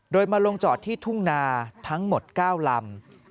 โดยมาลงจอดที่ทุ่งนาทั้งหมด๙ลำ